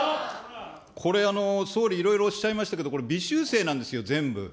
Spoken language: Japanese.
これ総理、いろいろおっしゃいましたけど、これ微修正なんですよ、全部。